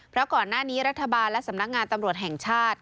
เพราะก่อนหน้านี้รัฐบาลและสำนักงานตำรวจแห่งชาติ